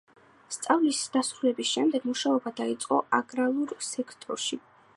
სწავლის დასრულების შემდეგ მუშაობა დაიწყო აგრალურ სექტორში.